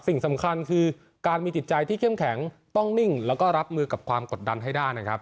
สิ่งสำคัญคือการมีจิตใจที่เข้มแข็งต้องนิ่งแล้วก็รับมือกับความกดดันให้ได้นะครับ